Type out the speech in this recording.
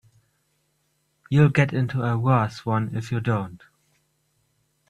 You'll get into a worse one if you don't.